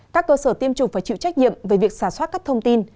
các cơ sở tiêm chủng phải chịu trách nhiệm về việc xả soát các thông tin